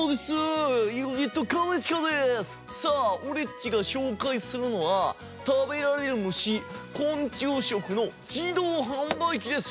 さあおれっちがしょうかいするのはたべられるむし昆虫食の自動販売機です！